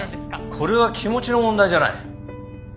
これは気持ちの問題じゃない。